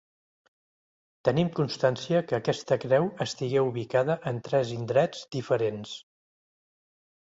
Tenim constància que aquesta creu estigué ubicada en tres indrets diferents.